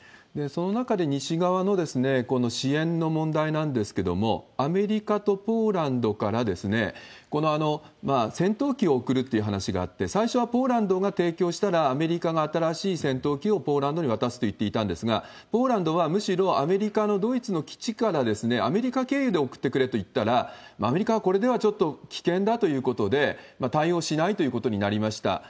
その中で、西側のこの支援の問題なんですけれども、アメリカとポーランドから戦闘機を送るっていう話があって、最初はポーランドが提供したら、アメリカが新しい戦闘機をポーランドに渡すと言っていたんですが、ポーランドはむしろ、アメリカのドイツの基地からアメリカ経由で送ってくれと言ったら、アメリカは、これではちょっと危険だということで、対応しないということになりました。